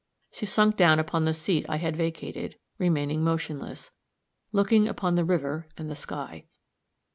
She sunk down upon the seat I had vacated, remaining motionless, looking upon the river and the sky.